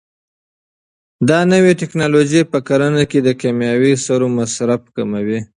دا نوې ټیکنالوژي په کرنه کې د کیمیاوي سرو مصرف کموي.